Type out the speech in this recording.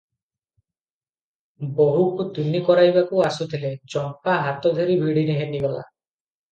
ବୋହୂକୁ ତୁନି କରାଇବାକୁ ଆସୁଥିଲେ, ଚମ୍ପା ହାତ ଧରି ଭିଡ଼ି ଘେନିଗଲା ।